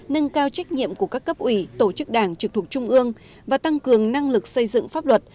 nâng cao trách nhiệm của các cấp ủy tổ chức đảng trực thuộc trung ương và tăng cường năng lực xây dựng pháp luật